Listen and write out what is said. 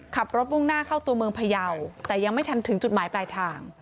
มุ่งหน้าเข้าตัวเมืองพยาวแต่ยังไม่ทันถึงจุดหมายปลายทาง